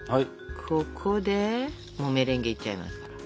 ここでもうメレンゲいっちゃいますから。